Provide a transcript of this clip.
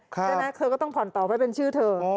ใช่ไหมเธอก็ต้องผ่อนต่อไว้เป็นชื่อเธอ